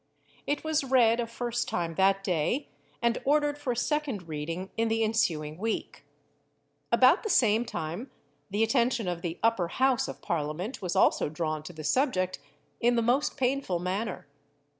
It was read a first time that day, and ordered for a second reading in the ensuing week. About the same time, the attention of the Upper House of Parliament was also drawn to the subject in the most painful manner.